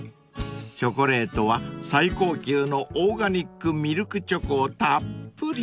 ［チョコレートは最高級のオーガニックミルクチョコをたっぷり］